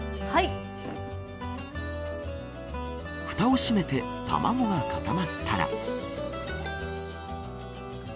ふたを閉めて、卵が固まったら。